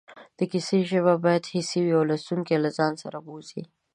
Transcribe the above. د کیسې ژبه باید حسي وي او لوستونکی له ځان سره بوځي